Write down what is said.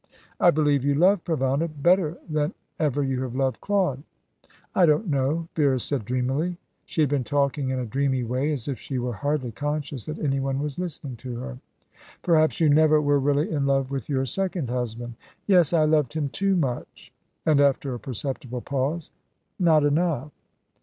"I believe you loved Provana better than ever you have loved Claude." "I don't know," Vera said dreamily. She had been talking in a dreamy way, as if she were hardly conscious that anyone was listening to her. "Perhaps you never were really in love with your second husband?" "Yes. I loved him too much and," after a perceptible pause, "not enough."